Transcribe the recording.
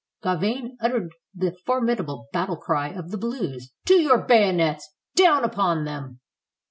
Gauvain uttered the formidable battle cry of the Blues: "To your bayonets! Down upon them!"